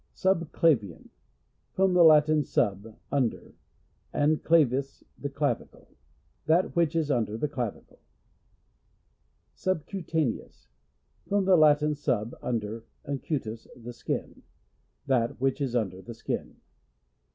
Subclavian. — From the Latin, sub, under, and clavis, the clavicle. That which is under the clavicle. Subcutaneous. — From the Latin, sui, under, and cutis, the skin. That which is under the skin.